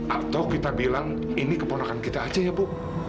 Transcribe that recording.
atau kita bilang ini keponakan kita aja ya bu